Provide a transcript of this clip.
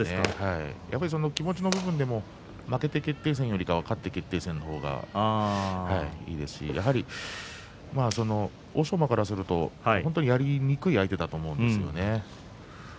やはり気持ちの部分でも負けて決定戦よりも勝って決定戦の方がいいですし欧勝馬、勝ちますとやりにくい相手だと思うんですね。